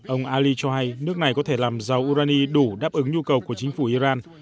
ông ali cho hay nước này có thể làm rau urani đủ đáp ứng nhu cầu của chính phủ iran